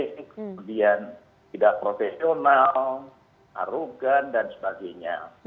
kemudian tidak profesional arogan dan sebagainya